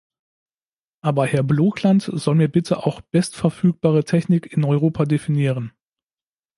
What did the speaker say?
Aber Herr Blokland soll mir bitte auch "bestverfügbare Technik" in Europa definieren.